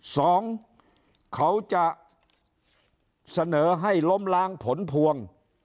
สองเขาจะเสนอให้ล้มล้างผลพวง